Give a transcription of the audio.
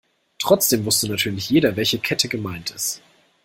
Trotzdem wusste natürlich jeder, welche Kette gemeint ist.